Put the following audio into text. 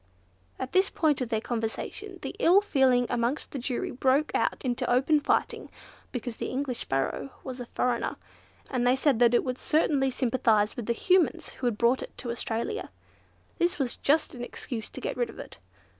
At this point of their conversation, the ill feeling amongst the jury broke out into open fighting, because the English Sparrow was a foreigner, and they said that it would certainly sympathise with the Humans who had brought it to Australia. This was just an excuse to get rid of it.